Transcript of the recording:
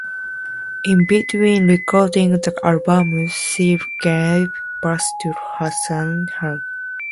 In between recording the album, she gave birth to her son, Hugh.